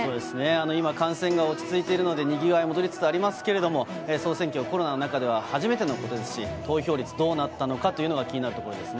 今、感染が落ち着いているので、にぎわい戻りつつありますけれども、総選挙、コロナの中では初めてのことですし、投票率、どうなったのかというのが気になるところですね。